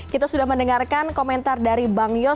kita sudah mendengarkan komentar dari bang yos